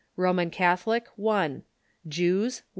Roman Catholic,!; Jews